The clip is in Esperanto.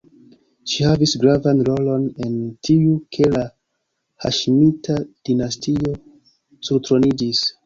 Ŝi havis gravan rolon en tiu, ke la Haŝimita-dinastio surtroniĝis.